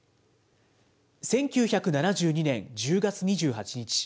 １９７２年１０月２８日。